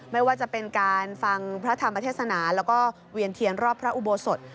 ไม่ว่าจะเป็นการฟังพระธรรมเทศนาแล้วก็เวียนเทียนรอบพระอุโบสถ